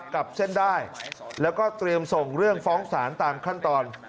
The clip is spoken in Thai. กลับเส้นได้แล้วก็เตรียมส่งเรื่องฟ้องศาลตามขั้นตอน